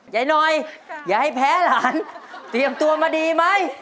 ยายหน่อยอย่าให้แพ้หลานเตรียมตัวมาดีไหม